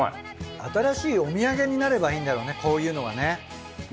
新しいお土産になればいいんだろうねこういうのがね。